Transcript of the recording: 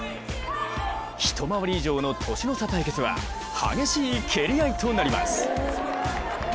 一回り以上の年の差対決は激しい蹴り合いとなります。